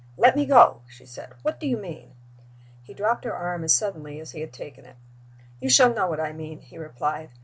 "Let me go!" she said. "What do you mean?" He dropped her arm as suddenly as he had taken it. "You shall know what I mean," he replied.